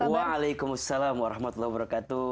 waalaikumsalam warahmatullahi wabarakatuh